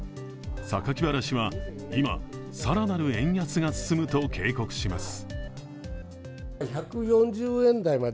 榊原氏は今、更なる円安が進むと警告します。